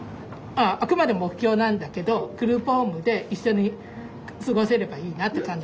あくまで目標なんだけどグループホームで一緒に過ごせればいいなって感じ。